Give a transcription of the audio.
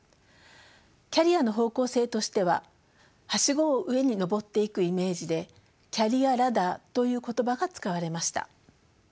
キャリアの方向性としてははしごを上に登っていくイメージでキャリア・ラダーという言葉が使われました。